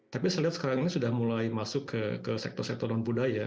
tapi saya lihat sekarang ini sudah mulai masuk ke sektor sektor non budaya